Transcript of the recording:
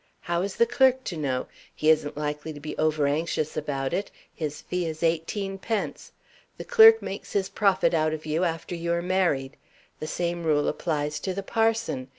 How is the clerk to know? He isn't likely to be over anxious about it his fee is eighteen pence. The clerk makes his profit out of you, after you are married. The same rule applies to the parson.